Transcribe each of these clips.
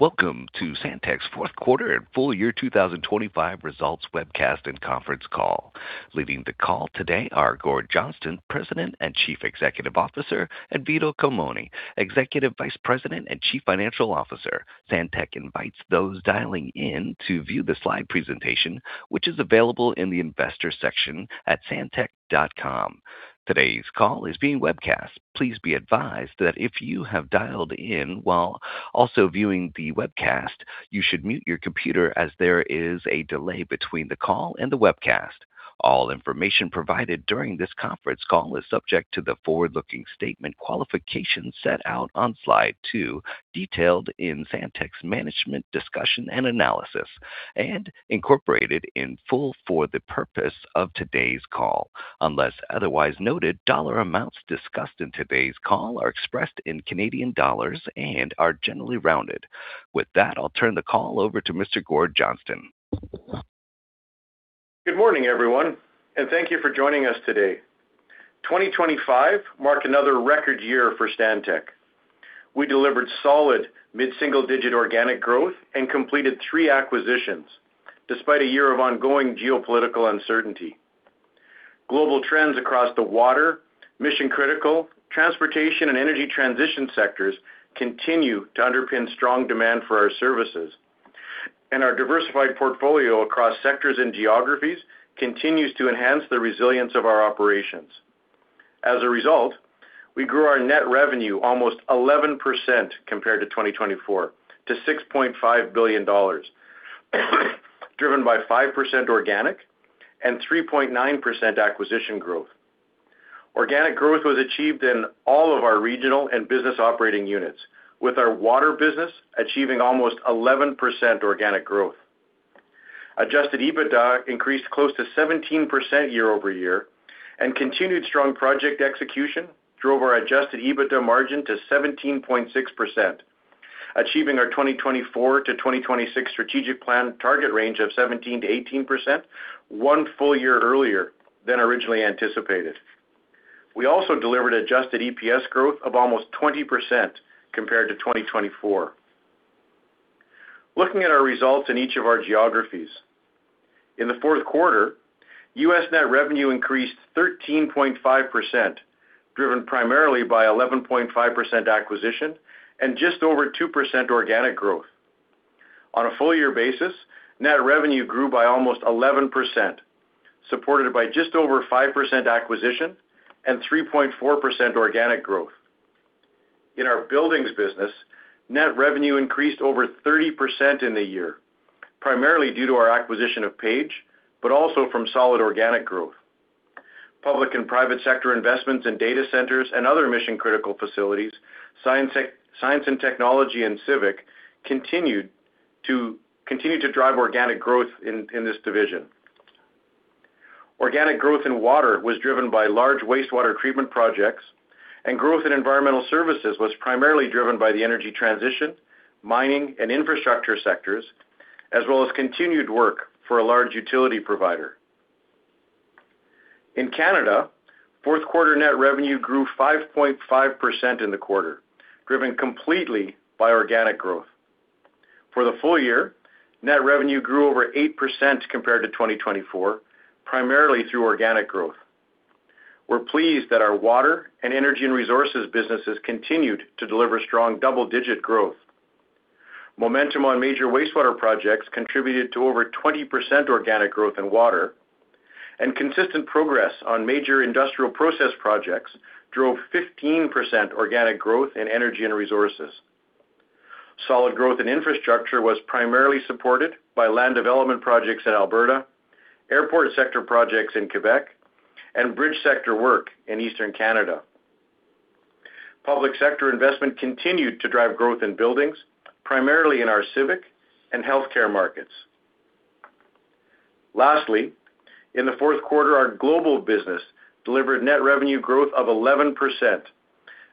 Welcome to Stantec's fourth quarter and full year 2025 results webcast and conference call. Leading the call today are Gord Johnston, President and Chief Executive Officer, and Vito Culmone, Executive Vice President and Chief Financial Officer. Stantec invites those dialing in to view the slide presentation, which is available in the Investors section at stantec.com. Today's call is being webcast. Please be advised that if you have dialed in while also viewing the webcast, you should mute your computer as there is a delay between the call and the webcast. All information provided during this conference call is subject to the forward-looking statement qualifications set out on Slide 2, detailed in Stantec's Management Discussion and Analysis, and incorporated in full for the purpose of today's call. Unless otherwise noted, dollar amounts discussed in today's call are expressed in Canadian dollars and are generally rounded. With that, I'll turn the call over to Mr. Gord Johnston. Good morning, everyone, and thank you for joining us today. 2025 marked another record year for Stantec. We delivered solid mid-single-digit organic growth and completed three acquisitions, despite a year of ongoing geopolitical uncertainty. Global trends across the water, mission-critical, transportation, and energy transition sectors continue to underpin strong demand for our services, and our diversified portfolio across sectors and geographies continues to enhance the resilience of our operations. As a result, we grew our net revenue almost 11% compared to 2024, to $6.5 billion, driven by 5% organic and 3.9% acquisition growth. Organic growth was achieved in all of our regional and business operating units, with our water business achieving almost 11% organic growth. Adjusted EBITDA increased close to 17% year-over-year, and continued strong project execution drove our Adjusted EBITDA margin to 17.6%, achieving our 2024-2026 strategic plan target range of 17%-18%, one full year earlier than originally anticipated. We also delivered Adjusted EPS growth of almost 20% compared to 2024. Looking at our results in each of our geographies. In the fourth quarter, U.S. net revenue increased 13.5%, driven primarily by 11.5% acquisition and just over 2% organic growth. On a full year basis, net revenue grew by almost 11%, supported by just over 5% acquisition and 3.4% organic growth. In our buildings business, net revenue increased over 30% in the year, primarily due to our acquisition of Page, but also from solid organic growth. Public and private sector investments in data centers and other mission-critical facilities, science and technology, and civic continued to drive organic growth in this division. Organic growth in water was driven by large wastewater treatment projects, and growth in environmental services was primarily driven by the energy transition, mining and infrastructure sectors, as well as continued work for a large utility provider. In Canada, fourth quarter net revenue grew 5.5% in the quarter, driven completely by organic growth. For the full year, net revenue grew over 8% compared to 2024, primarily through organic growth. We're pleased that our water and energy and resources businesses continued to deliver strong double-digit growth. Momentum on major wastewater projects contributed to over 20% organic growth in water, and consistent progress on major industrial process projects drove 15% organic growth in energy and resources. Solid growth in infrastructure was primarily supported by land development projects in Alberta, airport sector projects in Quebec, and bridge sector work in Eastern Canada. Public sector investment continued to drive growth in buildings, primarily in our civic and healthcare markets. Lastly, in the fourth quarter, our global business delivered net revenue growth of 11%,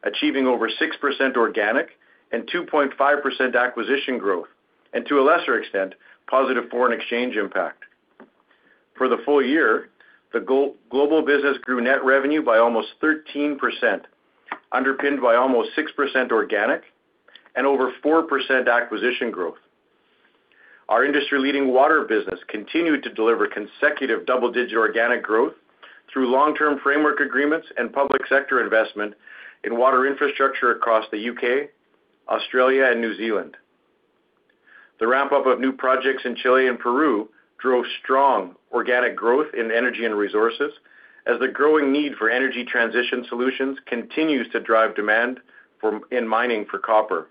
achieving over 6% organic and 2.5% acquisition growth, and to a lesser extent, positive foreign exchange impact. For the full year, the global business grew net revenue by almost 13%, underpinned by almost 6% organic and over 4% acquisition growth. Our industry-leading water business continued to deliver consecutive double-digit organic growth through long-term framework agreements and public sector investment in water infrastructure across the UK, Australia, and New Zealand. The ramp-up of new projects in Chile and Peru drove strong organic growth in energy and resources, as the growing need for energy transition solutions continues to drive demand in mining for copper.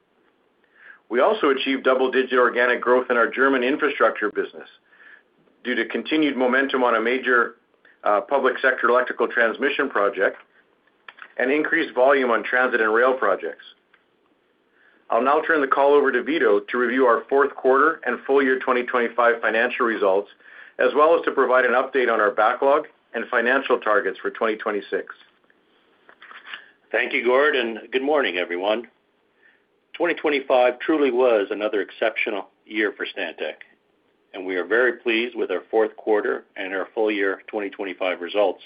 We also achieved double-digit organic growth in our German infrastructure business due to continued momentum on a major public sector electrical transmission project and increased volume on transit and rail projects. I'll now turn the call over to Vito to review our fourth quarter and full year 2025 financial results, as well as to provide an update on our backlog and financial targets for 2026. Thank you, Gord, and good morning, everyone. 2025 truly was another exceptional year for Stantec, and we are very pleased with our fourth quarter and our full year 2025 results.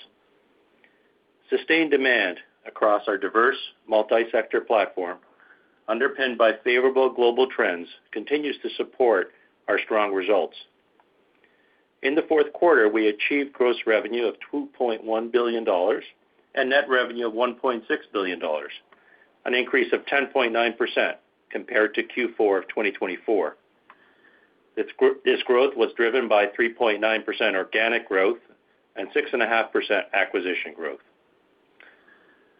Sustained demand across our diverse multi-sector platform, underpinned by favorable global trends, continues to support our strong results. In the fourth quarter, we achieved gross revenue of $2.1 billion and net revenue of $1.6 billion, an increase of 10.9% compared to Q4 of 2024. This growth was driven by 3.9% organic growth and 6.5% acquisition growth.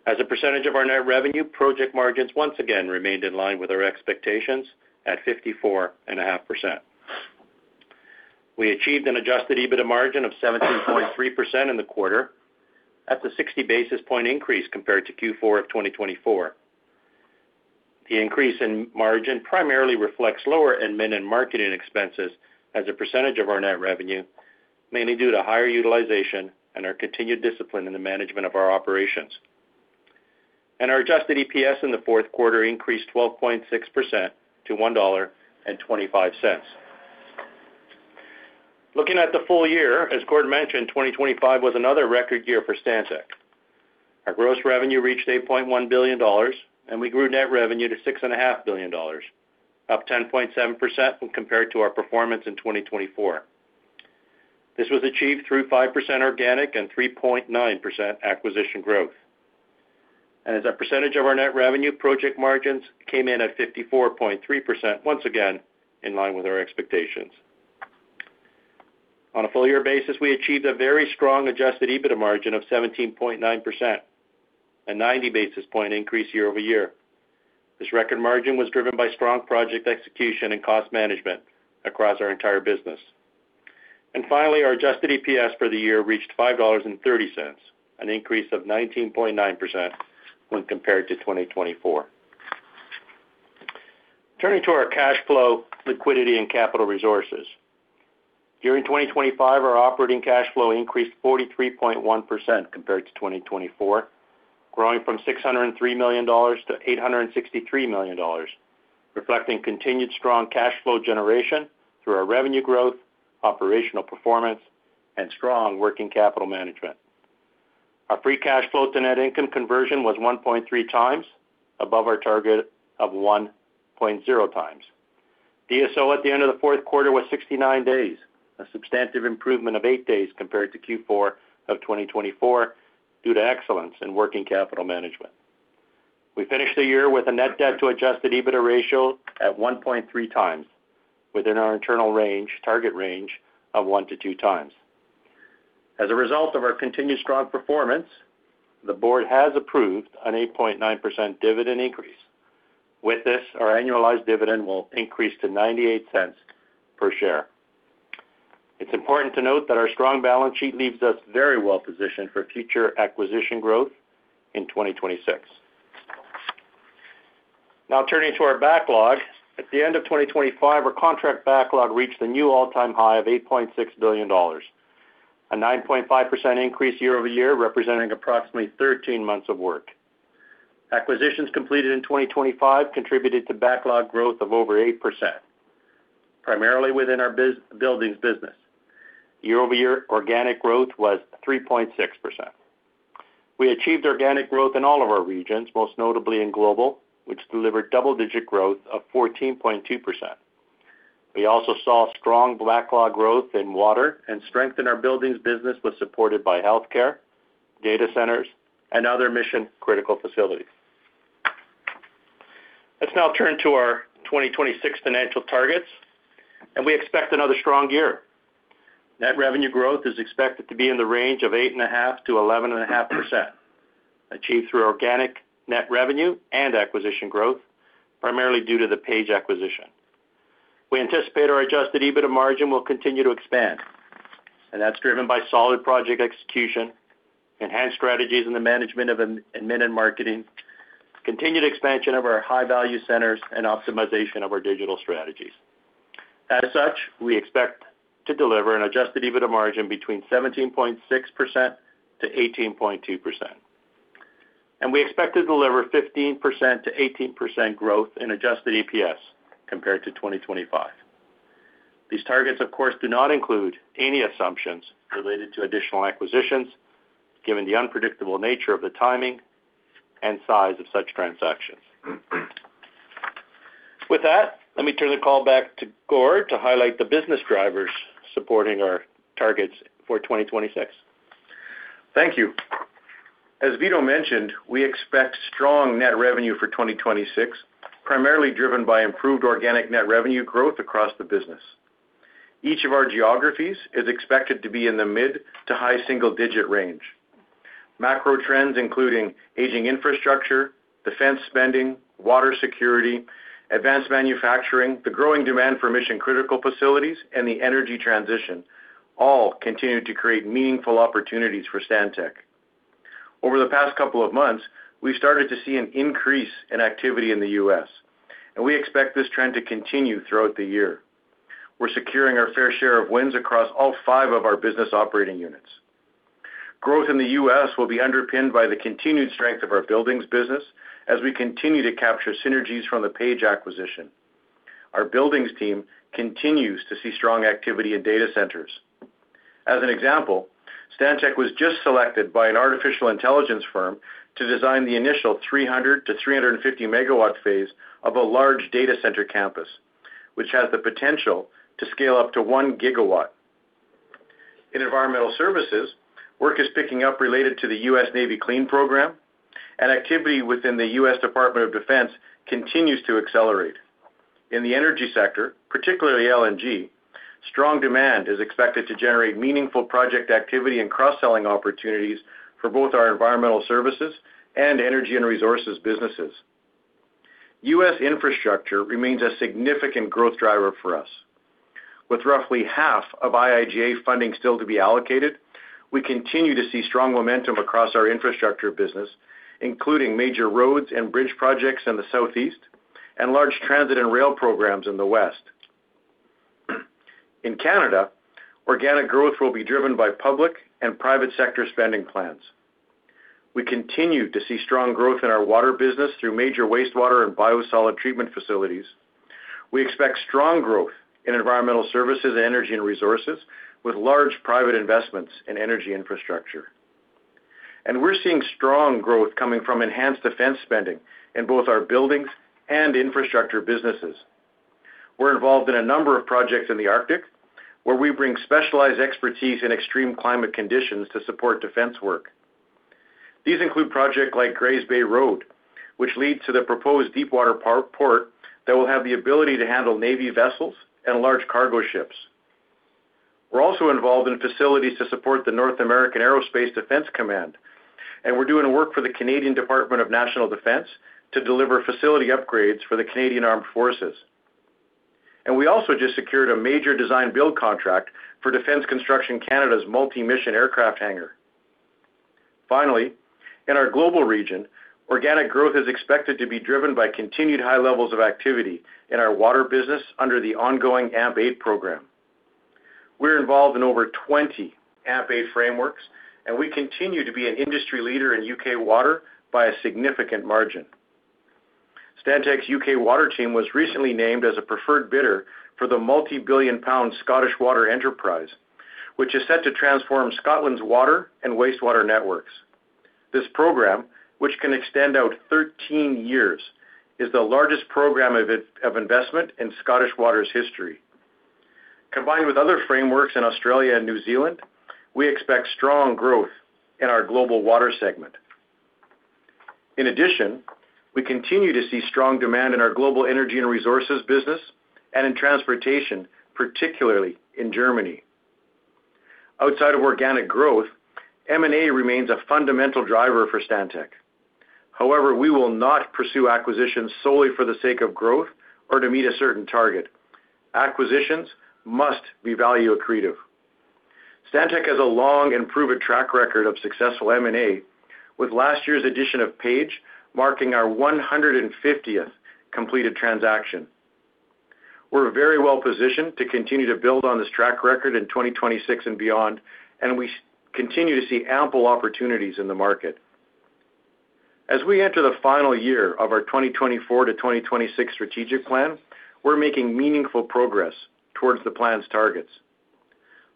As a percentage of our net revenue, project margins once again remained in line with our expectations at 54.5%. We achieved an Adjusted EBITDA margin of 17.3% in the quarter. That's a 60 basis point increase compared to Q4 of 2024. The increase in margin primarily reflects lower admin and marketing expenses as a percentage of our net revenue, mainly due to higher utilization and our continued discipline in the management of our operations. Our Adjusted EPS in the fourth quarter increased 12.6% to $1.25. Looking at the full year, as Gord mentioned, 2025 was another record year for Stantec. Our gross revenue reached $8.1 billion, and we grew net revenue to $6.5 billion, up 10.7% when compared to our performance in 2024. This was achieved through 5% organic and 3.9% acquisition growth. As a percentage of our net revenue, project margins came in at 54.3%, once again, in line with our expectations. On a full year basis, we achieved a very strong Adjusted EBITDA margin of 17.9%, a 90 basis point increase year-over-year. This record margin was driven by strong project execution and cost management across our entire business. Finally, our Adjusted EPS for the year reached 5.30 dollars, an increase of 19.9% when compared to 2024. Turning to our cash flow, liquidity, and capital resources. During 2025, our operating cash flow increased 43.1% compared to 2024, growing from 603 million dollars to 863 million dollars, reflecting continued strong cash flow generation through our revenue growth, operational performance, and strong working capital management. Our free cash flow to net income conversion was 1.3x above our target of 1.0x. DSO at the end of the fourth quarter was 69 days, a substantive improvement of eight days compared to Q4 of 2024, due to excellence in working capital management. We finished the year with a net debt to Adjusted EBITDA ratio at 1.3x, within our internal range, target range of 1x-2x. As a result of our continued strong performance, the board has approved an 8.9% dividend increase. With this, our annualized dividend will increase to 0.98 per share. It's important to note that our strong balance sheet leaves us very well positioned for future acquisition growth in 2026. Turning to our backlog. At the end of 2025, our contract backlog reached a new all-time high of 8.6 billion dollars, a 9.5% increase year-over-year, representing approximately 13 months of work. Acquisitions completed in 2025 contributed to backlog growth of over 8%, primarily within our buildings business. Year-over-year organic growth was 3.6%. We achieved organic growth in all of our regions, most notably in global, which delivered double-digit growth of 14.2%. We also saw strong backlog growth in water, and strength in our buildings business was supported by healthcare, data centers, and other mission-critical facilities. Let's now turn to our 2026 financial targets. We expect another strong year. Net revenue growth is expected to be in the range of 8.5%-11.5%, achieved through organic net revenue and acquisition growth, primarily due to the Page acquisition. We anticipate our Adjusted EBITDA margin will continue to expand, and that's driven by solid project execution, enhanced strategies in the management of admin and marketing, continued expansion of our high-value centers, and optimization of our digital strategies. As such, we expect to deliver an Adjusted EBITDA margin between 17.6%-18.2%. We expect to deliver 15%-18% growth in Adjusted EPS compared to 2025. These targets, of course, do not include any assumptions related to additional acquisitions, given the unpredictable nature of the timing and size of such transactions. With that, let me turn the call back to Gord to highlight the business drivers supporting our targets for 2026. Thank you. As Vito mentioned, we expect strong net revenue for 2026, primarily driven by improved organic net revenue growth across the business. Each of our geographies is expected to be in the mid to high single-digit range. Macro trends, including aging infrastructure, defense spending, water security, advanced manufacturing, the growing demand for mission-critical facilities, and the energy transition, all continue to create meaningful opportunities for Stantec. Over the past couple of months, we've started to see an increase in activity in the U.S., we expect this trend to continue throughout the year. We're securing our fair share of wins across all five of our business operating units. Growth in the U.S. will be underpinned by the continued strength of our buildings business as we continue to capture synergies from the Page acquisition.... Our buildings team continues to see strong activity in data centers. As an example, Stantec was just selected by an artificial intelligence firm to design the initial 300-350 megawatt phase of a large data center campus, which has the potential to scale up to 1 gigawatt. In environmental services, work is picking up related to the U.S. Navy CLEAN program, and activity within the U.S. Department of Defense continues to accelerate. In the energy sector, particularly LNG, strong demand is expected to generate meaningful project activity and cross-selling opportunities for both our environmental services and energy and resources businesses. U.S. infrastructure remains a significant growth driver for us. With roughly half of IIJA funding still to be allocated, we continue to see strong momentum across our infrastructure business, including major roads and bridge projects in the Southeast and large transit and rail programs in the West. In Canada, organic growth will be driven by public and private sector spending plans. We continue to see strong growth in our water business through major wastewater and biosolid treatment facilities. We expect strong growth in environmental services and energy and resources, with large private investments in energy infrastructure. We're seeing strong growth coming from enhanced defense spending in both our buildings and infrastructure businesses. We're involved in a number of projects in the Arctic, where we bring specialized expertise in extreme climate conditions to support defense work. These include project like Grays Bay Road, which leads to the proposed deepwater port that will have the ability to handle Navy vessels and large cargo ships. We're also involved in facilities to support the North American Aerospace Defense Command, we're doing work for the Canadian Department of National Defense to deliver facility upgrades for the Canadian Armed Forces. We also just secured a major design build contract for Defence Construction Canada's multi-mission aircraft hangar. Finally, in our global region, organic growth is expected to be driven by continued high levels of activity in our water business under the ongoing AMP8 program. We're involved in over 20 AMP8 frameworks, and we continue to be an industry leader in UK water by a significant margin. Stantec's UK water team was recently named as a preferred bidder for the multi-billion pound Scottish Water enterprise, which is set to transform Scotland's water and wastewater networks. This program, which can extend out 13-years, is the largest program of investment in Scottish Water's history. Combined with other frameworks in Australia and New Zealand, we expect strong growth in our global water segment. We continue to see strong demand in our global energy and resources business and in transportation, particularly in Germany. Outside of organic growth, M&A remains a fundamental driver for Stantec. We will not pursue acquisitions solely for the sake of growth or to meet a certain target. Acquisitions must be value accretive. Stantec has a long and proven track record of successful M&A, with last year's addition of Page marking our 150th completed transaction. We're very well positioned to continue to build on this track record in 2026 and beyond, we continue to see ample opportunities in the market. As we enter the final year of our 2024 to 2026 strategic plan, we're making meaningful progress towards the plan's targets.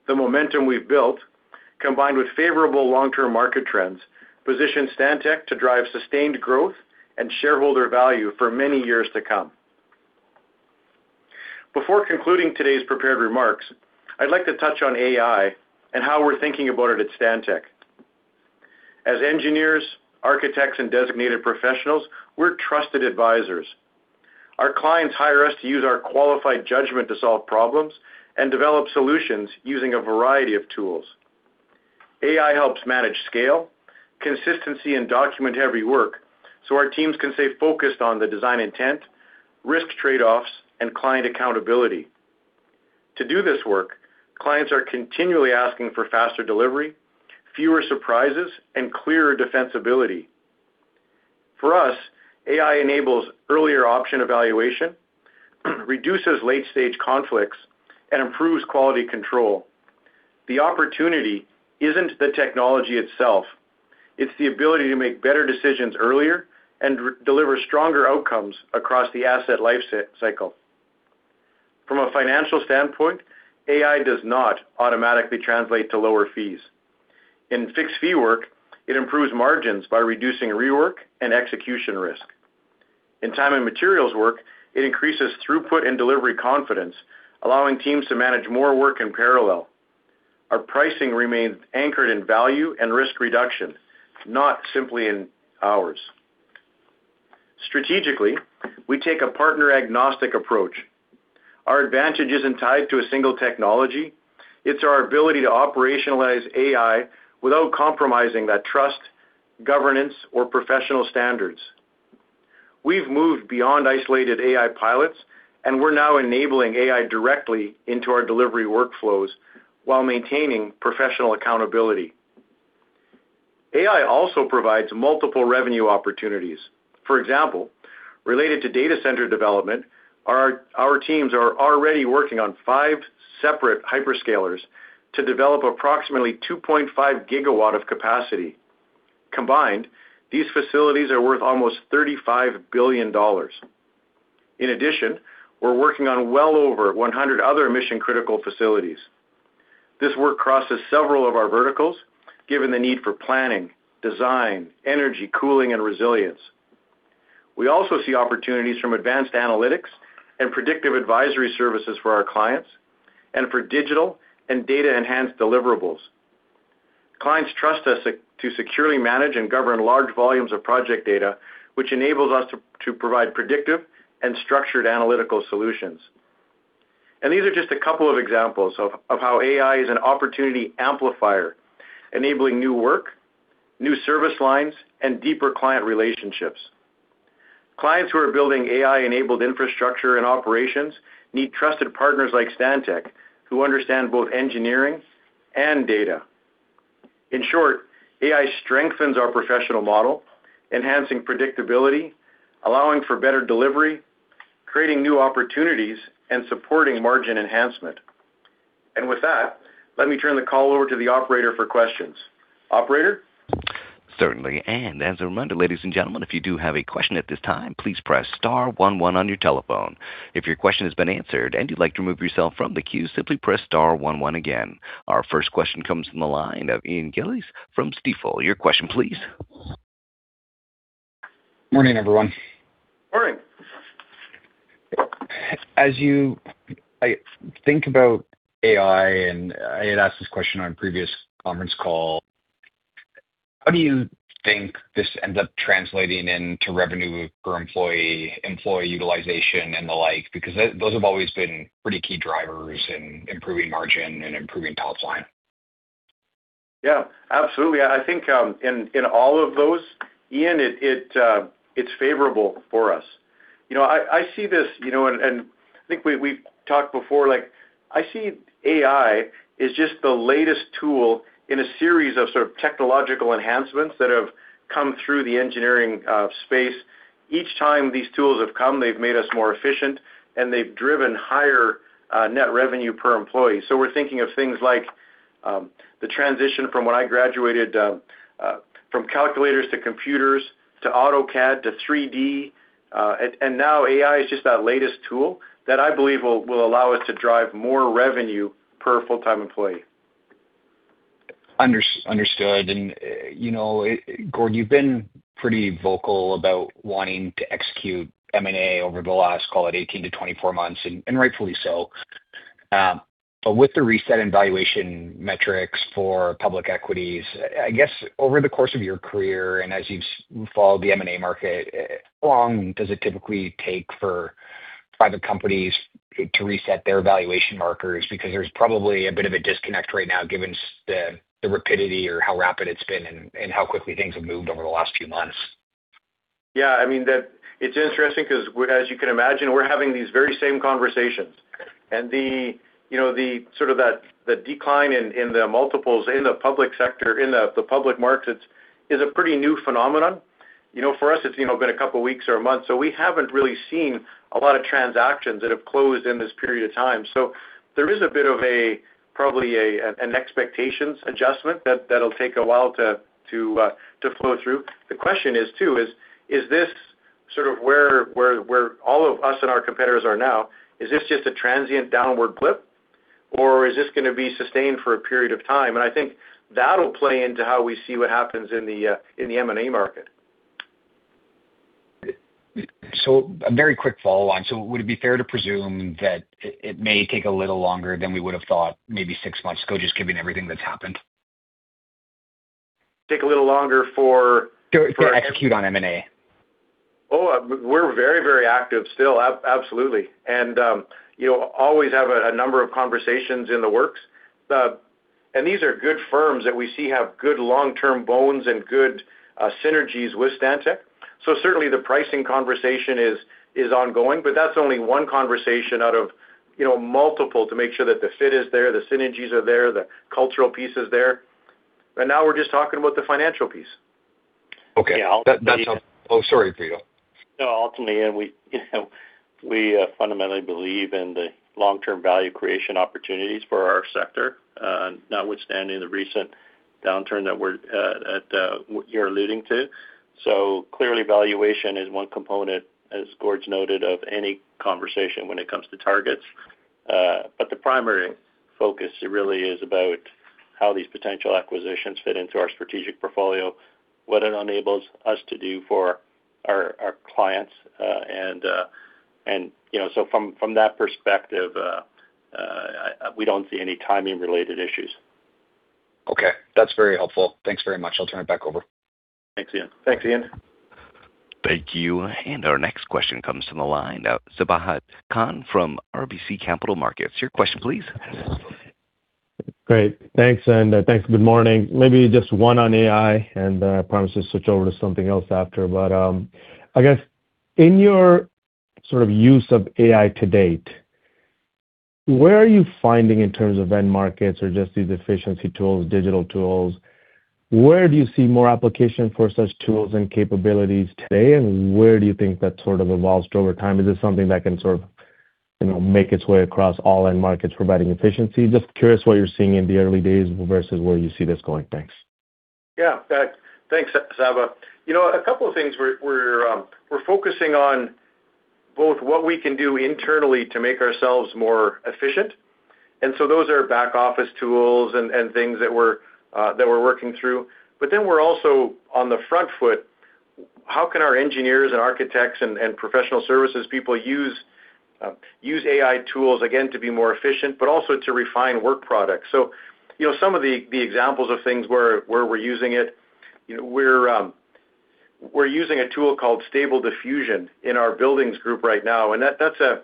The momentum we've built, combined with favorable long-term market trends, position Stantec to drive sustained growth and shareholder value for many years to come. Before concluding today's prepared remarks, I'd like to touch on AI and how we're thinking about it at Stantec. As engineers, architects, and designated professionals, we're trusted advisors. Our clients hire us to use our qualified judgment to solve problems and develop solutions using a variety of tools. AI helps manage scale, consistency, and document-heavy work, so our teams can stay focused on the design intent, risk trade-offs, and client accountability. To do this work, clients are continually asking for faster delivery, fewer surprises, and clearer defensibility. For us, AI enables earlier option evaluation, reduces late-stage conflicts, and improves quality control. The opportunity isn't the technology itself, it's the ability to make better decisions earlier and deliver stronger outcomes across the asset life cycle. From a financial standpoint, AI does not automatically translate to lower fees. In fixed-fee work, it improves margins by reducing rework and execution risk. In time and materials work, it increases throughput and delivery confidence, allowing teams to manage more work in parallel. Our pricing remains anchored in value and risk reduction, not simply in hours. Strategically, we take a partner-agnostic approach. Our advantage isn't tied to a single technology, it's our ability to operationalize AI without compromising that trust, governance, or professional standards. We've moved beyond isolated AI pilots, and we're now enabling AI directly into our delivery workflows while maintaining professional accountability. AI also provides multiple revenue opportunities. For example, related to data center development, our teams are already working on five separate hyperscalers to develop approximately 2.5 gigawatt of capacity. Combined, these facilities are worth almost $35 billion. In addition, we're working on well over 100 other mission-critical facilities. This work crosses several of our verticals, given the need for planning, design, energy, cooling, and resilience. We also see opportunities from advanced analytics and predictive advisory services for our clients and for digital and data-enhanced deliverables. Clients trust us to securely manage and govern large volumes of project data, which enables us to provide predictive and structured analytical solutions. These are just a couple of examples of how AI is an opportunity amplifier, enabling new work, new service lines, and deeper client relationships. Clients who are building AI-enabled infrastructure and operations need trusted partners like Stantec, who understand both engineering and data. In short, AI strengthens our professional model, enhancing predictability, allowing for better delivery, creating new opportunities, and supporting margin enhancement. With that, let me turn the call over to the operator for questions. Operator? Certainly. As a reminder, ladies and gentlemen, if you do have a question at this time, please press star one one on your telephone. If your question has been answered and you'd like to remove yourself from the queue, simply press star one one again. Our first question comes from the line of Ian Gillies from Stifel. Your question please. Morning, everyone. Morning! As you, I think about AI, and I had asked this question on a previous conference call, how do you think this ends up translating into revenue per employee utilization, and the like? Those have always been pretty key drivers in improving margin and improving top line. Absolutely. I think, in all of those, Ian, it's favorable for us. You know, I see this, you know, and, I think we've talked before, like, I see AI as just the latest tool in a series of sort of technological enhancements that have come through the engineering space. Each time these tools have come, they've made us more efficient, and they've driven higher, net revenue per employee. We're thinking of things like, the transition from when I graduated, from calculators to computers to AutoCAD to 3D, and, now AI is just that latest tool that I believe will allow us to drive more revenue per full-time employee. Understood. You know, Gord, you've been pretty vocal about wanting to execute M&A over the last, call it 18-24 months, and rightfully so. With the reset in valuation metrics for public equities, I guess over the course of your career, and as you've followed the M&A market, how long does it typically take for private companies to reset their valuation markers? There's probably a bit of a disconnect right now, given the rapidity or how rapid it's been and how quickly things have moved over the last few months. Yeah, I mean, it's interesting because, as you can imagine, we're having these very same conversations, and the, you know, the sort of that decline in the multiples in the public sector, in the public markets, is a pretty new phenomenon. You know, for us, it's, you know, been a couple of weeks or a month, so we haven't really seen a lot of transactions that have closed in this period of time. There is a bit of a, probably an expectations adjustment that'll take a while to flow through. The question is, too, is this sort of where all of us and our competitors are now, is this just a transient downward blip, or is this gonna be sustained for a period of time? I think that'll play into how we see what happens in the in the M&A market. A very quick follow-on. Would it be fair to presume that it may take a little longer than we would have thought, maybe six months ago, just given everything that's happened? Take a little longer. To execute on M&A. We're very active still. Absolutely. You know, always have a number of conversations in the works. These are good firms that we see have good long-term bones and good synergies with Stantec. Certainly the pricing conversation is ongoing, but that's only one conversation out of, you know, multiple to make sure that the fit is there, the synergies are there, the cultural piece is there. Now we're just talking about the financial piece. Okay. Yeah. That. Oh, sorry, Theo. No, ultimately, and we, you know, we fundamentally believe in the long-term value creation opportunities for our sector, notwithstanding the recent downturn that we're at, you're alluding to. Clearly, valuation is one component, as Gord's noted, of any conversation when it comes to targets. The primary focus really is about how these potential acquisitions fit into our strategic portfolio, what it enables us to do for our clients, and, you know, from that perspective, we don't see any timing-related issues. Okay. That's very helpful. Thanks very much. I'll turn it back over. Thanks, Ian. Thanks, Ian. Thank you. Our next question comes from the line of Sabahat Khan from RBC Capital Markets. Your question, please. Great. Thanks, and thanks, good morning. Maybe just one on AI, and I promise to switch over to something else after. I guess in your sort of use of AI to date, where are you finding in terms of end markets or just these efficiency tools, digital tools, where do you see more application for such tools and capabilities today, and where do you think that sort of evolves over time? Is this something that can sort of you know, make its way across all end markets, providing efficiency? Just curious what you're seeing in the early days versus where you see this going. Thanks. Yeah, thanks, Sabahat. You know, a couple of things. We're, we're focusing on both what we can do internally to make ourselves more efficient, and so those are back office tools and things that we're, that we're working through. We're also on the front foot. How can our engineers and architects and professional services people use AI tools, again, to be more efficient, but also to refine work products? So, you know, some of the examples of things where we're using it, you know, we're using a tool called Stable Diffusion in our buildings group right now, and it's a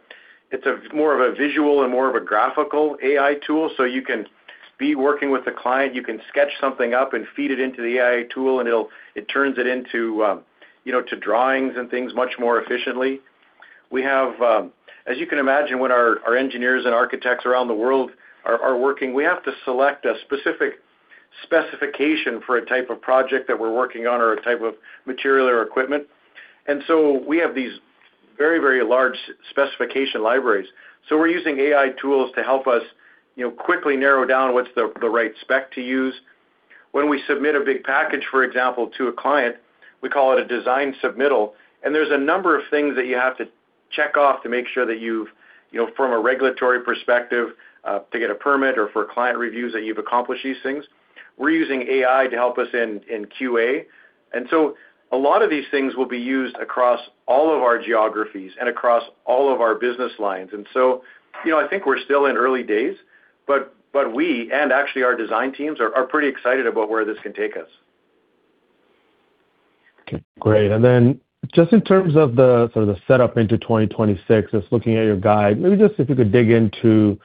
more of a visual and more of a graphical AI tool. You can be working with a client, you can sketch something up and feed it into the AI tool, and it turns it into, you know, to drawings and things much more efficiently. We have. As you can imagine, when our engineers and architects around the world are working, we have to select a specific specification for a type of project that we're working on or a type of material or equipment. We have these very, very large specification libraries. We're using AI tools to help us, you know, quickly narrow down what's the right spec to use. When we submit a big package, for example, to a client, we call it a design submittal. There's a number of things that you have to check off to make sure that you've, you know, from a regulatory perspective, to get a permit or for client reviews, that you've accomplished these things. We're using AI to help us in QA. A lot of these things will be used across all of our geographies and across all of our business lines. You know, I think we're still in early days, but we, and actually our design teams, are pretty excited about where this can take us. Okay, great. Just in terms of the sort of the setup into 2026, just looking at your guide, maybe just if you could dig into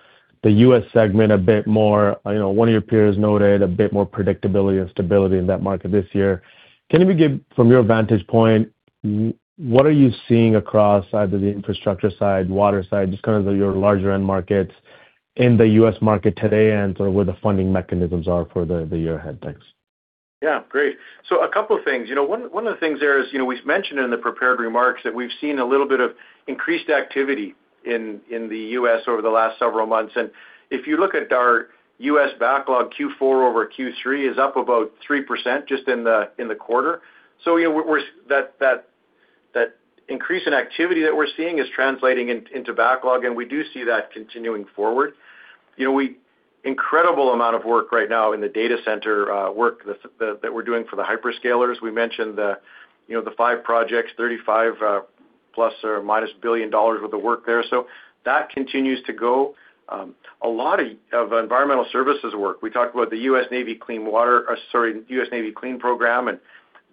the U.S. segment a bit more. You know, one of your peers noted a bit more predictability and stability in that market this year. Can you maybe give, from your vantage point, what are you seeing across either the infrastructure side, water side, just kind of your larger end markets in the U.S. market today, and sort of where the funding mechanisms are for the year ahead? Thanks. Yeah, great. A couple of things. You know, one of the things there is, you know, we've mentioned in the prepared remarks that we've seen a little bit of increased activity in the U.S. over the last several months, and if you look at our U.S. backlog, Q4 over Q3 is up about 3% just in the quarter. You know, we're... That increase in activity that we're seeing is translating into backlog, and we do see that continuing forward. You know, we incredible amount of work right now in the data center work that we're doing for the hyperscalers. We mentioned the, you know, the five projects, $35 plus or minus billion worth of work there. That continues to go. A lot of environmental services work. We talked about the U.S. Navy Clean Water, or sorry, U.S. Navy CLEAN program and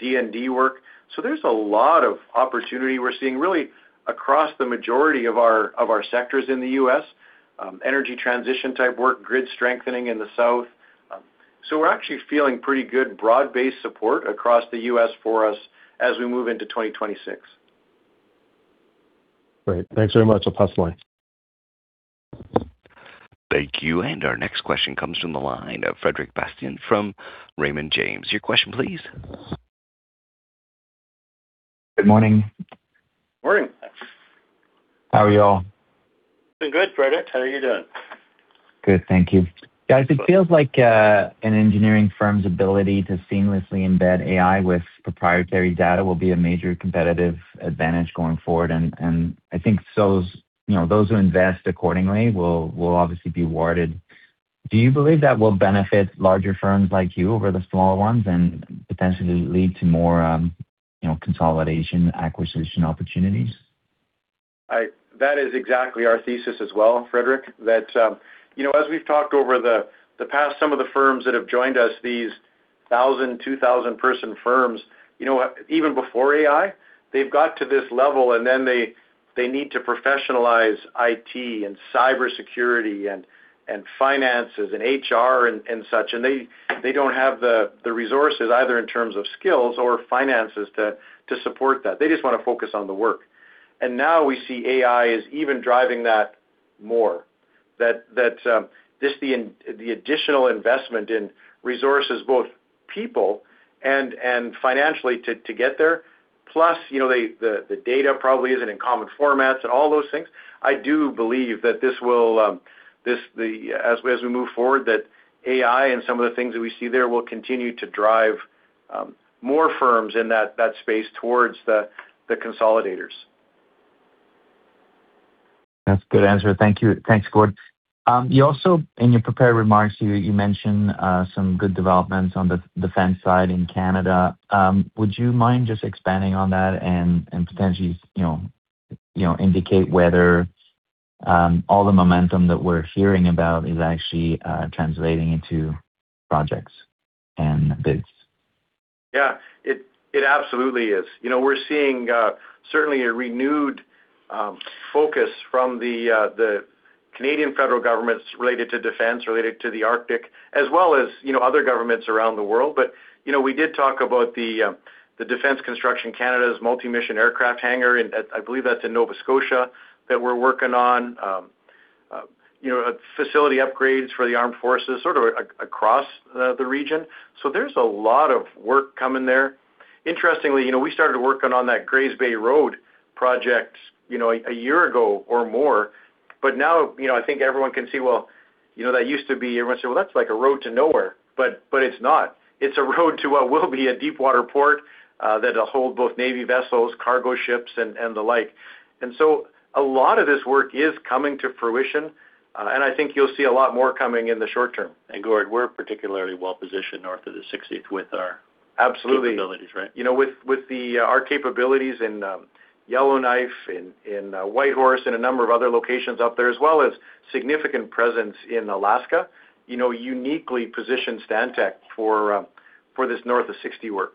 DND work. There's a lot of opportunity we're seeing really across the majority of our sectors in the U.S. Energy transition type work, grid strengthening in the south. We're actually feeling pretty good broad-based support across the U.S. for us as we move into 2026. Great. Thanks very much. I'll pass the line. Thank you. Our next question comes from the line of Frederic Bastien from Raymond James. Your question, please. Good morning. Morning! How are you all? Doing good, Frederic. How are you doing? Good, thank you. Guys, it feels like an engineering firm's ability to seamlessly embed AI with proprietary data will be a major competitive advantage going forward, and I think those, you know, those who invest accordingly will obviously be rewarded. Do you believe that will benefit larger firms like you over the small ones and potentially lead to more, you know, consolidation, acquisition opportunities? That is exactly our thesis as well, Frederic, that, you know, as we've talked over the past, some of the firms that have joined us, these 1,000, 2,000 person firms, you know, even before AI, they've got to this level, and then they need to professionalize IT and cybersecurity and finances and HR and such, and they don't have the resources either in terms of skills or finances to support that. They just wanna focus on the work. Now we see AI as even driving that more. That, just the additional investment in resources, both people and financially to get there. Plus, you know, the data probably isn't in common formats and all those things. I do believe that this will, as we move forward, that AI and some of the things that we see there will continue to drive, more firms in that space towards the consolidators. That's a good answer. Thank you. Thanks, Gord. you also, in your prepared remarks, you mentioned some good developments on the defense side in Canada. would you mind just expanding on that and potentially, you know, indicate whether all the momentum that we're hearing about is actually translating into projects and bids? Yeah, it absolutely is. You know, we're seeing certainly a renewed focus from the Canadian federal governments related to defense, related to the Arctic, as well as, you know, other governments around the world. You know, we did talk about the Defence Construction Canada's multi-mission aircraft hangar, and that, I believe that's in Nova Scotia, that we're working on, you know, facility upgrades for the armed forces, sort of across the region. There's a lot of work coming there. Interestingly, you know, we started working on that Grays Bay Road project, you know, a year ago or more. Now, you know, I think everyone can see, well, you know, that used to be, everyone said, "Well, that's like a road to nowhere," but it's not. It's a road to what will be a deep water port that'll hold both Navy vessels, cargo ships, and the like. A lot of this work is coming to fruition, and I think you'll see a lot more coming in the short term. Gord, we're particularly well positioned North of the 60th. Absolutely. Capabilities, right? You know, with the, our capabilities in Yellowknife, in Whitehorse, and a number of other locations up there, as well as significant presence in Alaska, you know, uniquely positions Stantec for this North of 60 work.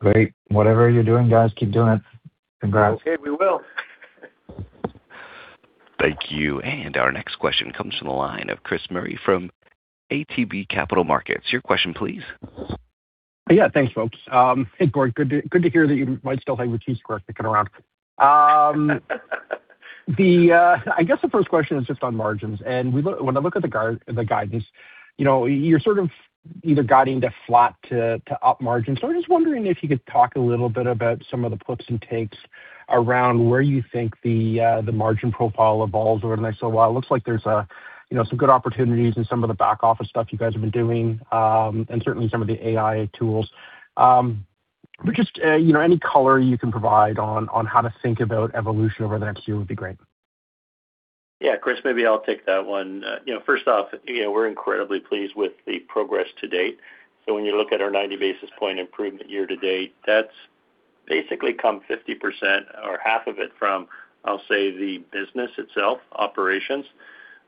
Great. Whatever you're doing, guys, keep doing it. Congrats. Okay, we will. Thank you. Our next question comes from the line of Chris Murray from ATB Capital Markets. Your question, please. Yeah, thanks, folks. Hey, Gord, good to hear that you might still have a cheese square kicking around. I guess the first question is just on margins. When I look at the guidance, you know, you're sort of either guiding to flat to up margin. I'm just wondering if you could talk a little bit about some of the puts and takes around where you think the margin profile evolves over the next little while. It looks like there's, you know, some good opportunities in some of the back office stuff you guys have been doing, and certainly some of the AI tools. Just, you know, any color you can provide on how to think about evolution over the next year would be great. Yeah, Chris, maybe I'll take that one. You know, first off, you know, we're incredibly pleased with the progress to date. When you look at our 90 basis point improvement year to date, that's basically come 50% or half of it from, I'll say, the business itself, operations,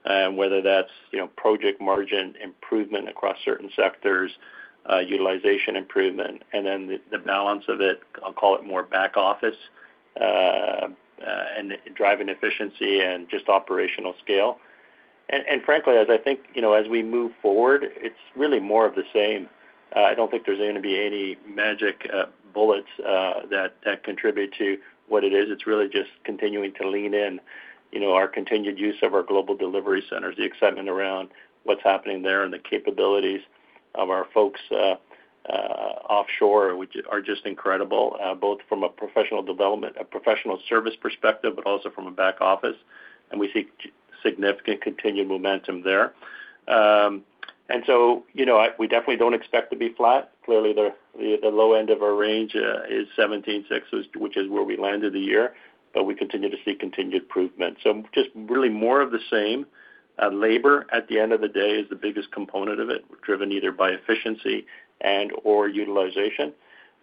and whether that's, you know, project margin improvement across certain sectors, utilization improvement, and then the balance of it, I'll call it more back office, and driving efficiency and just operational scale. Frankly, as I think, you know, as we move forward, it's really more of the same. I don't think there's going to be any magic bullets that contribute to what it is. It's really just continuing to lean in, you know, our continued use of our global delivery centers, the excitement around what's happening there and the capabilities of our folks offshore, which are just incredible, both from a professional development, a professional service perspective, but also from a back office, and we see significant continued momentum there. You know, we definitely don't expect to be flat. Clearly, the low end of our range is 17.6, which is where we landed the year, but we continue to see continued improvement. Just really more of the same. Labor, at the end of the day, is the biggest component of it, driven either by efficiency and/or utilization,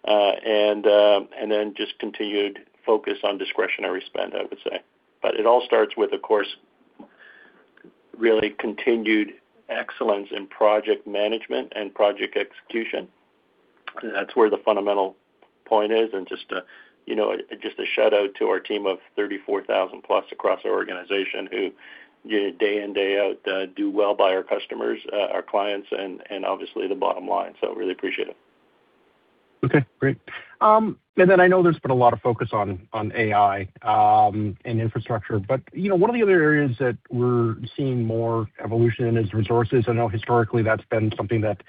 and then just continued focus on discretionary spend, I would say. It all starts with, of course, really continued excellence in project management and project execution. That's where the fundamental point is, and just a, you know, just a shout-out to our team of 34,000 plus across our organization, who, day in, day out, do well by our customers, our clients, and obviously the bottom line. Really appreciate it. Okay, great. I know there's been a lot of focus on AI, and infrastructure, but, you know, one of the other areas that we're seeing more evolution in is resources. I know historically that's been something that,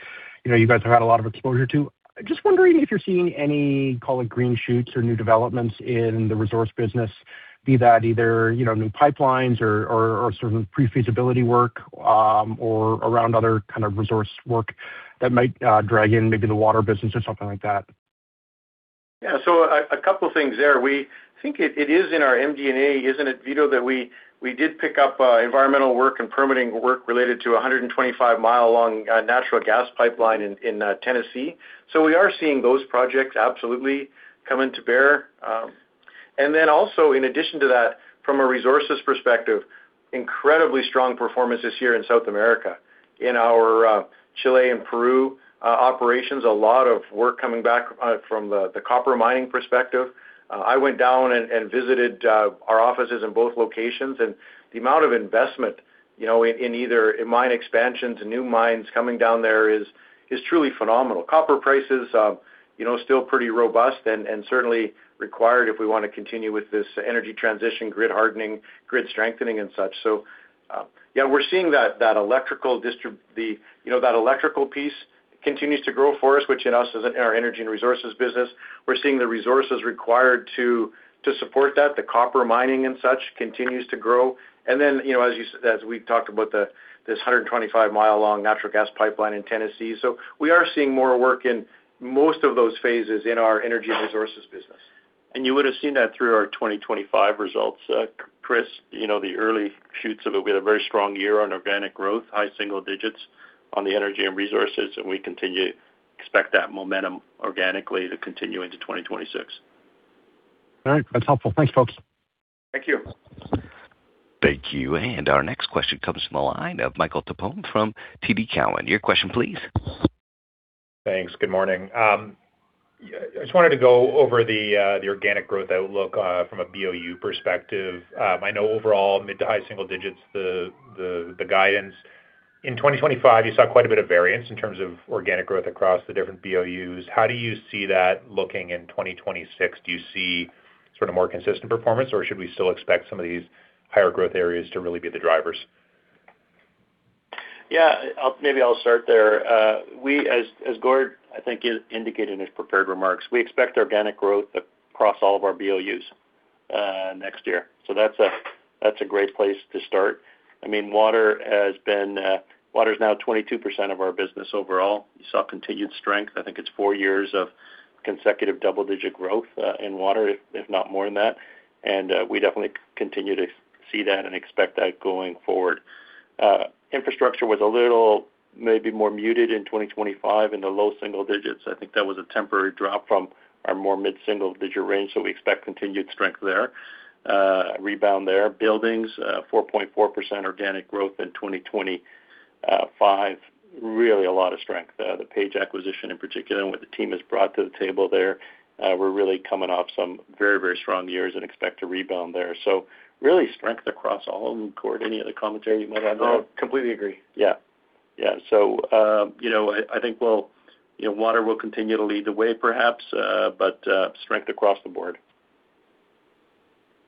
you know, you guys have had a lot of exposure to. Just wondering if you're seeing any, call it, green shoots or new developments in the resource business, be that either, you know, new pipelines or sort of pre-feasibility work, or around other kind of resource work that might drag in maybe the water business or something like that. Yeah, a couple things there. We think it is in our MD&A, isn't it, Vito, that we did pick up environmental work and permitting work related to a 125 mile long natural gas pipeline in Tennessee. We are seeing those projects absolutely come into bear. Also in addition to that, from a resources perspective, incredibly strong performance this year in South America. In our Chile and Peru operations, a lot of work coming back from the copper mining perspective. I went down and visited our offices in both locations, and the amount of investment, you know, in either in mine expansions and new mines coming down there is truly phenomenal. Copper prices, you know, still pretty robust and certainly required if we wanna continue with this energy transition, grid hardening, grid strengthening, and such. Yeah, we're seeing that electrical the, you know, that electrical piece continues to grow for us, which in us is in our energy and resources business. We're seeing the resources required to support that. The copper mining and such continues to grow. You know, as we talked about the, this 125 mile long natural gas pipeline in Tennessee. We are seeing more work in most of those phases in our energy and resources business. You would have seen that through our 2025 results, Chris. You know, the early shoots of it, we had a very strong year on organic growth, high single digits on the energy and resources, and we continue to expect that momentum organically to continue into 2026. All right. That's helpful. Thanks, folks. Thank you. Thank you. Our next question comes from the line of Michael Tupholme from TD Cowen. Your question, please. Thanks. Good morning. I just wanted to go over the organic growth outlook from a BOU perspective. I know overall, mid to high single digits, the guidance. In 2025, you saw quite a bit of variance in terms of organic growth across the different BOUs. How do you see that looking in 2026? Do you see sort of more consistent performance, or should we still expect some of these higher growth areas to really be the drivers? Maybe I'll start there. We, as Gord Johnston, I think, indicated in his prepared remarks, we expect organic growth across all of our BOUs next year. That's a, that's a great place to start. I mean, water has been, water is now 22% of our business overall. We saw continued strength. I think it's four years of consecutive double-digit growth in water, if not more than that. We definitely continue to see that and expect that going forward. Infrastructure was a little, maybe more muted in 2025 in the low single digits. I think that was a temporary drop from our more mid-single-digit range. We expect continued strength there, rebound there. Buildings, 4.4% organic growth in 2025. Really a lot of strength there. The Page acquisition, in particular, and what the team has brought to the table there, we're really coming off some very, very strong years and expect to rebound there. Really strength across all. Gord, any other commentary you might add there? No, completely agree. Yeah. Yeah. You know, I think we'll. You know, water will continue to lead the way, perhaps, but strength across the board.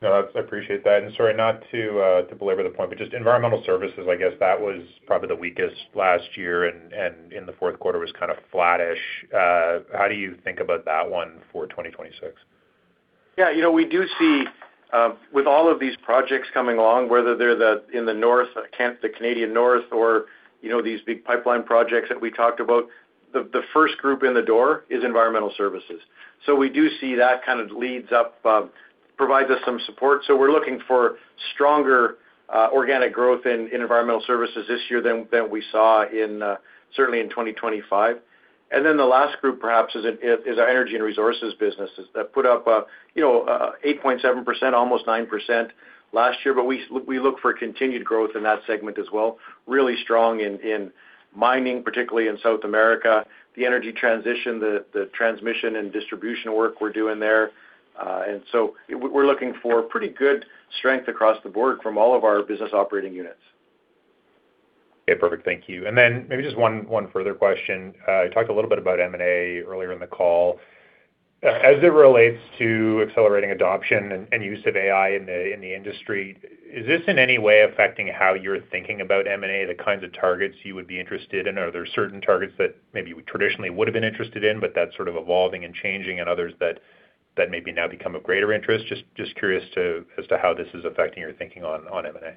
No, I appreciate that. Sorry, not to belabor the point, but just environmental services, I guess that was probably the weakest last year, and in the fourth quarter was kind of flattish. How do you think about that one for 2026? Yeah, you know, we do see, with all of these projects coming along, whether they're the, in the north, the Canadian North, or, you know, these big pipeline projects that we talked about, the first group in the door is environmental services. We do see that kind of leads up, provides us some support. We're looking for stronger organic growth in environmental services this year than we saw in certainly in 2025. The last group, perhaps, is our energy and resources businesses that put up a, you know, 8.7%, almost 9% last year, but we look for continued growth in that segment as well. Really strong in mining, particularly in South America, the energy transition, the transmission and distribution work we're doing there. We're looking for pretty good strength across the board from all of our business operating units. Okay, perfect. Thank you. Then maybe just one further question. You talked a little bit about M&A earlier in the call. As it relates to accelerating adoption and use of AI in the industry, is this in any way affecting how you're thinking about M&A, the kinds of targets you would be interested in? Are there certain targets that maybe you traditionally would have been interested in, but that's sort of evolving and changing and others that maybe now become of greater interest? Just curious as to how this is affecting your thinking on M&A.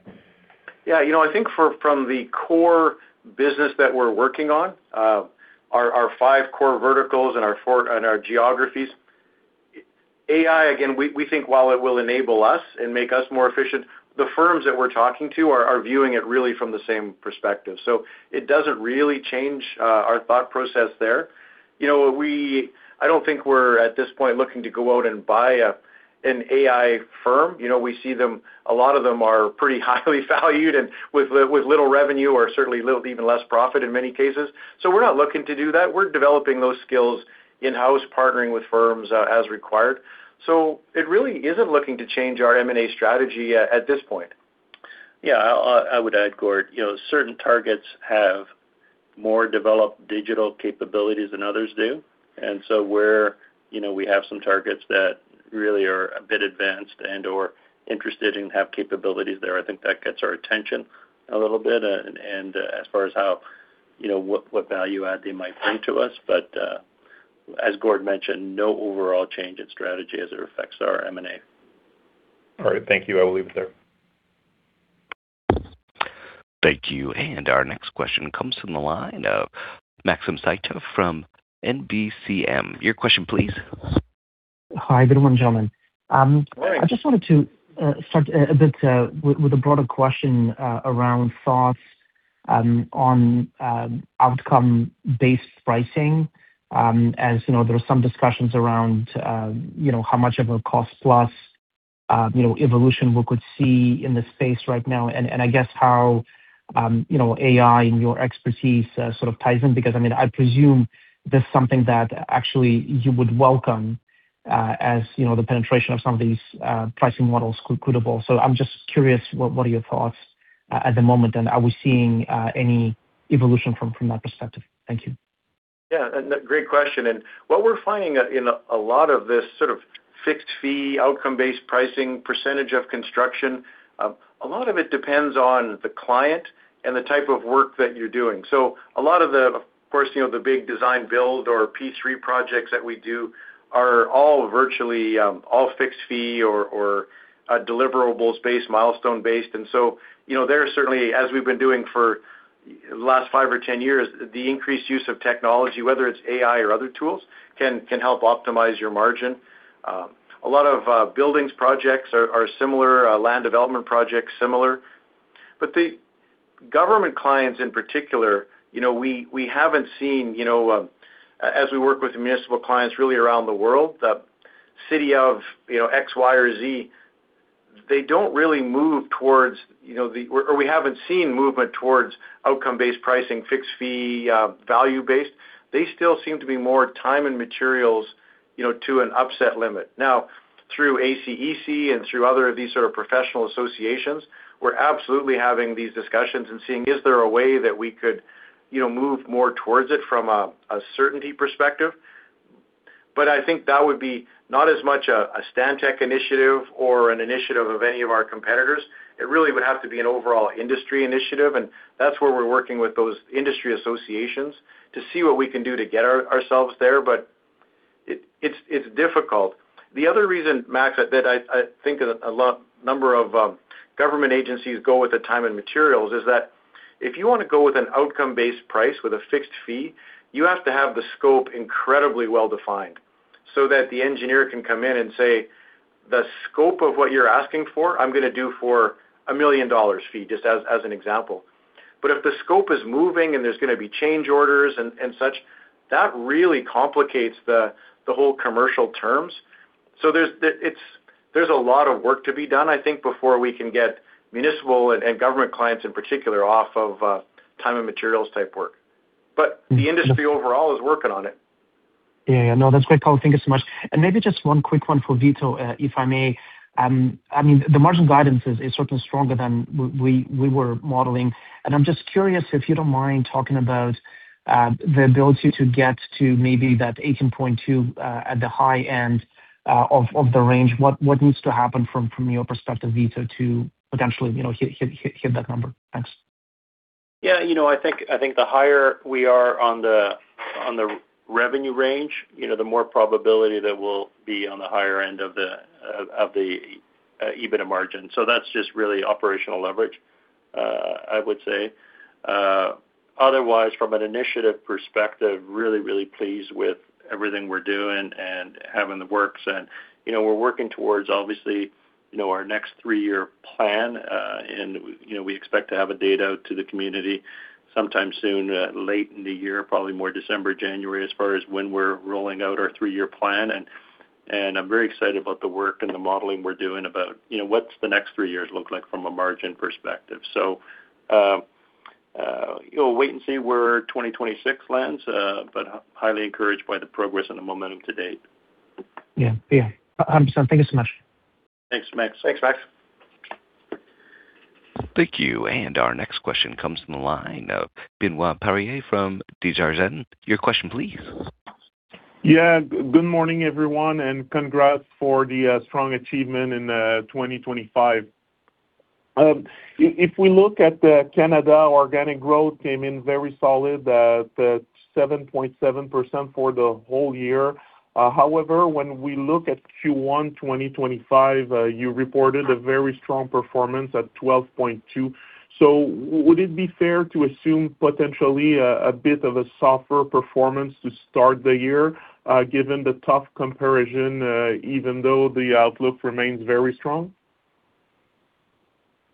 Yeah, you know, I think from the core business that we're working on, our five core verticals and our geographies, AI, again, we think while it will enable us and make us more efficient, the firms that we're talking to are viewing it really from the same perspective. It doesn't really change our thought process there. You know, I don't think we're, at this point, looking to go out and buy an AI firm. You know, we see them, a lot of them are pretty highly valued and with little revenue or certainly little, even less profit in many cases. We're not looking to do that. We're developing those skills in-house, partnering with firms, as required. It really isn't looking to change our M&A strategy at this point. Yeah, I would add, Gord, you know, certain targets have more developed digital capabilities than others do. where, you know, we have some targets that really are a bit advanced and/or interested and have capabilities there, I think that gets our attention a little bit, and as far as how, you know, what value add they might bring to us. as Gord mentioned, no overall change in strategy as it affects our M&A. All right. Thank you. I will leave it there. Thank you. Our next question comes from the line of Maxim Sytchev from NBF. Your question, please. Hi, good morning, gentlemen. Hi. I just wanted to start a bit with a broader question around thoughts on outcome-based pricing. As you know, there are some discussions around, you know, how much of a cost-plus, you know, evolution we could see in this space right now, and I guess how, you know, AI and your expertise sort of ties in, because, I mean, I'd presume this is something that actually you would welcome, as, you know, the penetration of some of these pricing models could evolve. I'm just curious, what are your thoughts at the moment, and are we seeing any evolution from that perspective? Thank you. Yeah, great question. What we're finding in a lot of this sort of fixed fee, outcome-based pricing, percentage of construction, a lot of it depends on the client and the type of work that you're doing. A lot of the, of course, you know, the big design build or P3 projects that we do are all virtually all fixed fee or deliverables-based, milestone-based. You know, there are certainly, as we've been doing for the last 5 or 10 years, the increased use of technology, whether it's AI or other tools, can help optimize your margin. A lot of buildings projects are similar, land development projects, similar. The government clients in particular, you know, we haven't seen, you know, as we work with municipal clients really around the world, the city of, you know, X, Y, or Z, they don't really move towards, you know, or we haven't seen movement towards outcome-based pricing, fixed fee, value-based. They still seem to be more time and materials, you know, to an upset limit. Now, through ACEC and through other of these sort of professional associations, we're absolutely having these discussions and seeing is there a way that we could, you know, move more towards it from a certainty perspective. I think that would be not as much a Stantec initiative or an initiative of any of our competitors. It really would have to be an overall industry initiative. That's where we're working with those industry associations to see what we can do to get ourselves there, but it's difficult. The other reason, Max, that I think a number of government agencies go with the time and materials is that if you wanna go with an outcome-based price with a fixed fee, you have to have the scope incredibly well defined so that the engineer can come in and say, "The scope of what you're asking for, I'm gonna do for a 1 million dollars fee," just as an example. If the scope is moving and there's gonna be change orders and such, that really complicates the whole commercial terms. There's a lot of work to be done, I think, before we can get municipal and government clients, in particular, off of time and materials type work. The industry overall is working on it. Yeah, yeah. No, that's great, Paul. Thank you so much. Maybe just one quick one for Vito, if I may. I mean, the margin guidance is certainly stronger than we were modeling, and I'm just curious, if you don't mind talking about the ability to get to maybe that 18.2% at the high end of the range. What needs to happen from your perspective, Vito, to potentially, you know, hit that number? Thanks. I think the higher we are on the revenue range, you know, the more probability that we'll be on the higher end of the EBITDA margin. That's just really operational leverage, I would say. Otherwise, from an initiative perspective, really pleased with everything we're doing and having the works. You know, we're working towards, obviously, our next three-year plan, we expect to have a date out to the community sometime soon, late in the year, probably more December, January, as far as when we're rolling out our three-year plan. I'm very excited about the work and the modeling we're doing about, you know, what's the next three years look like from a margin perspective? We'll wait and see where 2026 lands, but highly encouraged by the progress and the momentum to date. Yeah. Yeah. Thank you so much. Thanks, Max. Thanks, Max. Thank you. Our next question comes from the line of Benoit Poirier from Desjardins. Your question, please. Congrats for the strong achievement in 2025. If we look at the Canada organic growth came in very solid, at 7.7% for the whole year. However, when we look at Q1 2025, you reported a very strong performance at 12.2%. Would it be fair to assume potentially a bit of a softer performance to start the year, given the tough comparison, even though the outlook remains very strong?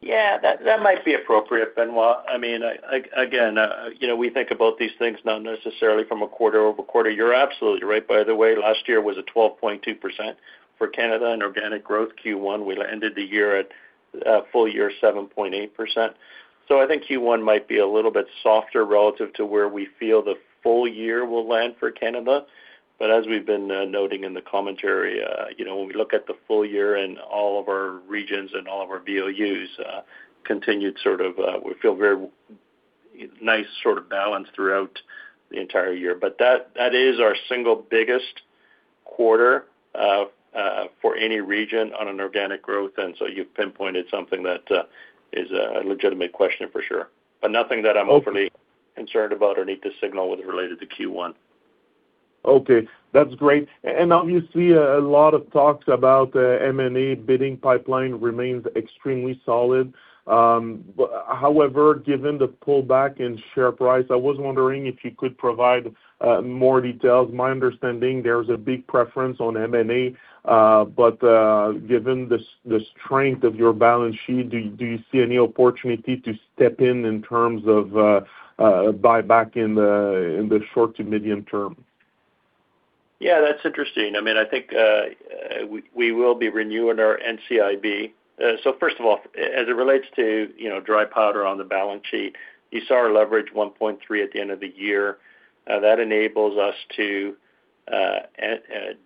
Yeah, that might be appropriate, Benoit. I mean, you know, we think about these things not necessarily from a quarter-over-quarter. You're absolutely right, by the way, last year was a 12.2% for Canada and organic growth Q1. We ended the year at full year 7.8%. I think Q1 might be a little bit softer relative to where we feel the full year will land for Canada. But as we've been noting in the commentary, you know, when we look at the full year and all of our regions and all of our BOUs, continued sort of, we feel very nice sort of balance throughout the entire year. That is our single biggest quarter for any region on an organic growth, and so you've pinpointed something that is a legitimate question for sure, but nothing that I'm overly concerned about or need to signal with related to Q1. Okay, that's great. Obviously, a lot of talks about M&A bidding pipeline remains extremely solid. However, given the pullback in share price, I was wondering if you could provide more details. My understanding, there's a big preference on M&A, but given the strength of your balance sheet, do you see any opportunity to step in in terms of buyback in the short to medium term? Yeah, that's interesting. I mean, I think we will be renewing our NCIB. First of all, as it relates to, you know, dry powder on the balance sheet, you saw our leverage 1.3 at the end of the year. That enables us to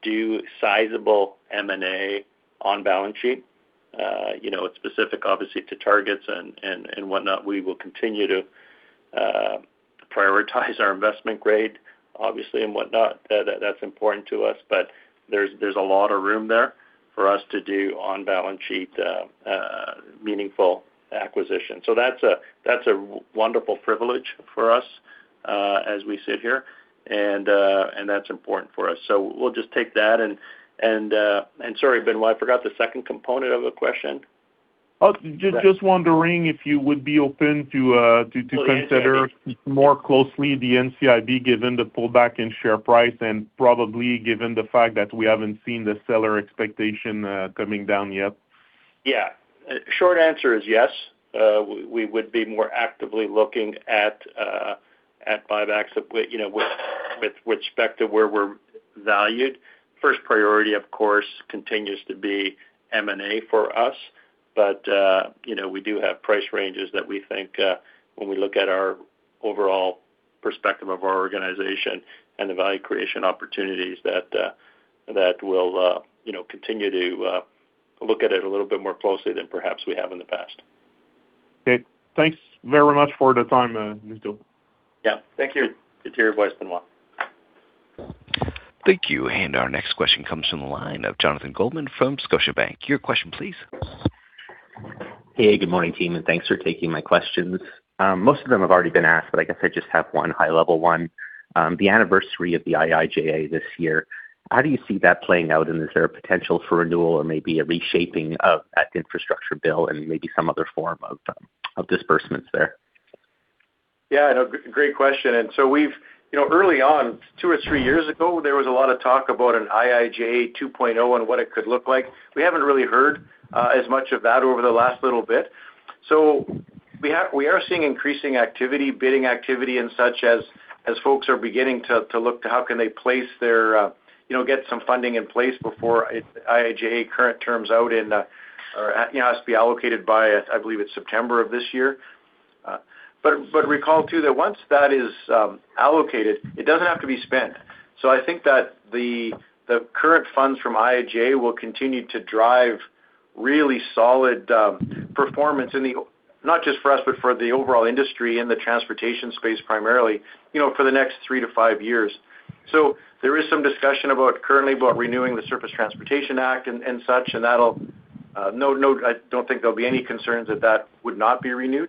do sizable M&A on balance sheet. You know, it's specific obviously, to targets and whatnot. We will continue to prioritize our investment grade, obviously, and whatnot. That's important to us, there's a lot of room there for us to do on balance sheet meaningful acquisition. That's a wonderful privilege for us as we sit here, and that's important for us. We'll just take that. Sorry, Benoit, I forgot the second component of the question. just wondering if you would be open to consider- Well, yeah- More closely the NCIB, given the pullback in share price and probably given the fact that we haven't seen the seller expectation, coming down yet. Yeah. Short answer is yes. We would be more actively looking at buybacks with, you know, with respect to where we're valued. First priority, of course, continues to be M&A for us you know, we do have price ranges that we think, when we look at our overall perspective of our organization and the value creation opportunities that we'll, you know, continue to, look at it a little bit more closely than perhaps we have in the past. Okay. Thanks very much for the time, Vito. Yeah. Thank you. It's your voice, Benoit. Thank you. Our next question comes from the line of Jonathan Goldman from Scotiabank. Your question, please. Hey, good morning, team. Thanks for taking my questions. Most of them have already been asked. I guess I just have one high-level one. The anniversary of the IIJA this year, how do you see that playing out? Is there a potential for renewal or maybe a reshaping of that infrastructure bill and maybe some other form of disbursements there? Yeah, no, great question. We've... You know, early on, two or three years ago, there was a lot of talk about an IIJA 2.0 and what it could look like. We haven't really heard as much of that over the last little bit. We are seeing increasing activity, bidding activity, and such as folks are beginning to look to how can they place their, you know, get some funding in place before it, IIJA current terms out in the, or, you know, has to be allocated by, I believe it's September of this year. Recall, too, that once that is allocated, it doesn't have to be spent. I think that the current funds from IIJA will continue to drive really solid performance in the... Not just for us, but for the overall industry and the transportation space, primarily, you know, for the next three to five years. There is some discussion about, currently, about renewing the Surface Transportation Act and such, and that'll, I don't think there'll be any concerns that that would not be renewed.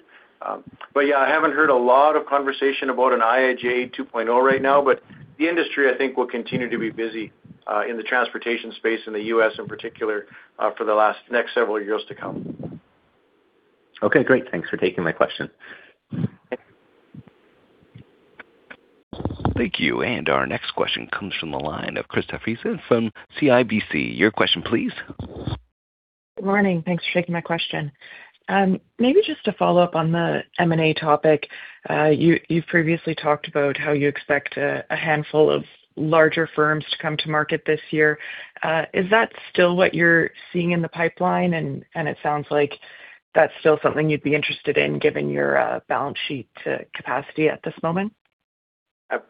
Yeah, I haven't heard a lot of conversation about an IIJA 2.0 right now. The industry, I think, will continue to be busy in the transportation space in the U.S., in particular, for the next several years to come. Okay, great. Thanks for taking my question. Thank you. Our next question comes from the line of Krista Friesen from CIBC. Your question please. Good morning. Thanks for taking my question. Maybe just to follow up on the M&A topic. You've previously talked about how you expect a handful of larger firms to come to market this year. Is that still what you're seeing in the pipeline? It sounds like that's still something you'd be interested in, given your balance sheet capacity at this moment.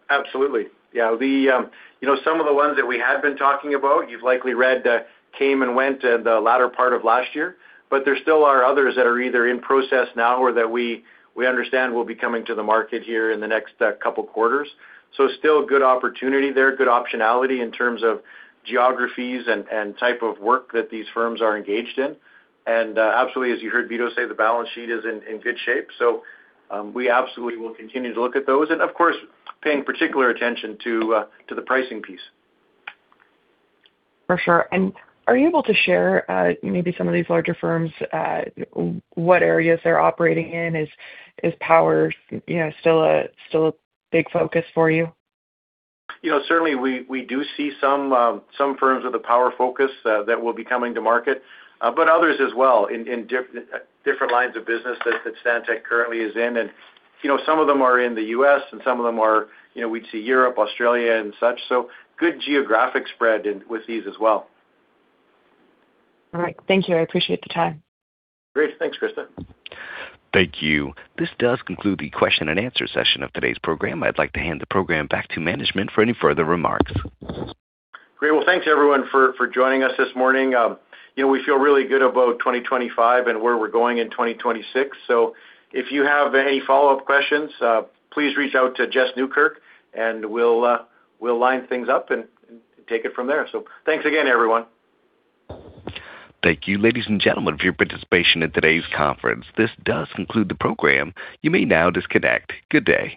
Absolutely. Yeah, the, you know, some of the ones that we have been talking about, you've likely read, came and went in the latter part of last year, There still are others that are either in process now or that we understand will be coming to the market here in the next couple quarters. Still good opportunity there, good optionality in terms of geographies and type of work that these firms are engaged in. Absolutely, as you heard Vito say, the balance sheet is in good shape. We absolutely will continue to look at those and, of course, paying particular attention to the pricing piece. For sure. Are you able to share, maybe some of these larger firms, what areas they're operating in? Is power, you know, still a big focus for you? You know, certainly, we do see some firms with a power focus, that will be coming to market, but others as well, in different lines of business that Stantec currently is in. You know, some of them are in the U.S., and some of them are, you know, we'd see Europe, Australia, and such, so good geographic spread with these as well. All right. Thank you. I appreciate the time. Great. Thanks, Krista. Thank you. This does conclude the question and answer session of today's program. I'd like to hand the program back to management for any further remarks. Great. Well, thanks, everyone, for joining us this morning. you know, we feel really good about 2025 and where we're going in 2026. If you have any follow-up questions, please reach out to Jess Nieukerk, and we'll line things up and take it from there. Thanks again, everyone. Thank you, ladies and gentlemen, for your participation in today's conference. This does conclude the program. You may now disconnect. Good day.